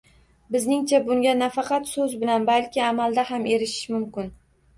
Bizningcha, bunga nafaqat so'z bilan, balki amalda ham erishish mumkin